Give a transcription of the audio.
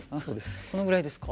このぐらいですか？